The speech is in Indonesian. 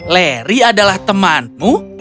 larry adalah temanmu